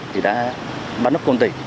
thì đã bán đốc công tỉnh